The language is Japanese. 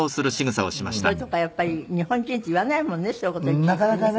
そういうとこはやっぱり日本人って言わないもんねそういう事いちいちね。